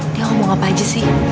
dia ngomong apa aja sih